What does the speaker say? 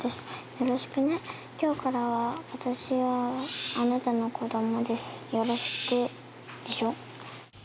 よろしくね今日からは私はあなたの子どもですよろしく」でしょ？